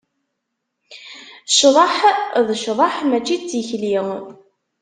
Cḍeh d ccḍeḥ, mačči d tikli.